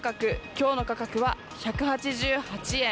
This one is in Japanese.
今日の価格は１８８円。